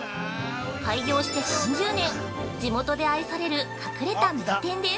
開業して３０年地元で愛される隠れた名店です。